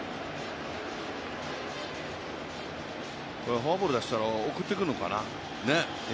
フォアボール出したらこれ、おくってくるのかな。